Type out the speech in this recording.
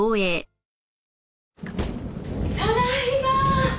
ただいま！